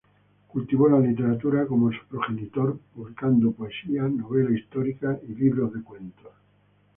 Cultivó la literatura como su progenitor, publicando poesía, novela histórica y libros de cuentos.